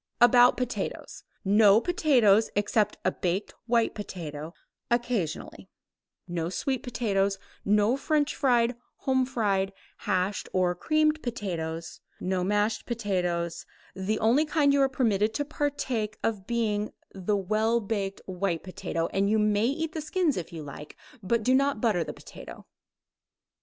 About potatoes: no potatoes except a baked white potato, occasionally no sweet potatoes, no French fried, home fried, hashed or creamed potatoes no mashed potatoes; the only kind you are permitted to partake of being the well baked white potato, and you may eat the skins if you like, but do not butter the potato.